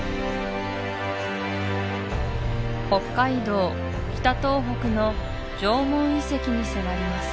北海道・北東北の縄文遺跡に迫ります